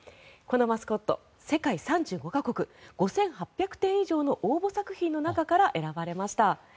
このマスコット世界３５か国５８００点以上の応募作品の中から選ばれました。